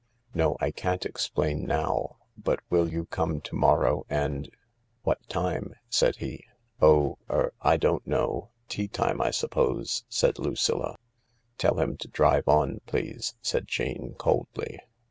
No, I can't explain now. But will you come to morrow and ..."" What time ?" said he. "Oh— er— I don't know. Tea time, Isuppose,"said Lucilla* " Tell him to drive on, please," said Jane coldly.